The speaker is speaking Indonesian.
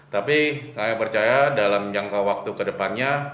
tapi kami percaya dalam jangka waktu ke depannya